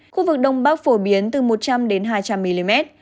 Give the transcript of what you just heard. khu vực đông bắc phổ biến từ một trăm linh hai trăm linh mm